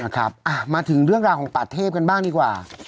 มาถึงเรื่องราวของป่าเทพกันบ้างดีกว่า